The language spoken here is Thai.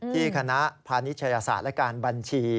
ที่คณะพานิชยศาสตร์และการบัญชี